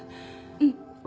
うん